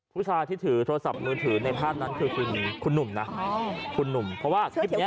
ผู้ชาที่ถือโทรศัพท์มือถือในภาพนั้นคือคุณที่ที่หูคุณหนุ่มนะ